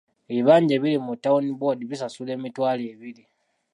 Ebibanja ebiri mu Town Board bisasula emitwalo ebiri.